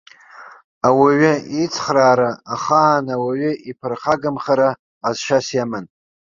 Ауаҩы ицхраара, ахаан ауаҩы иԥырхагамхара ҟазшьас иман.